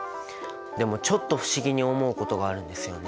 でもちょっと不思議に思うことがあるんですよね。